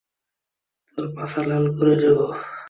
তোর পাছা লাল করে দেবো!